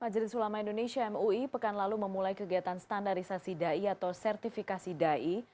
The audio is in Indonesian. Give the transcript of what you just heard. majelis ulama indonesia mui pekan lalu memulai kegiatan standarisasi dai atau sertifikasi dai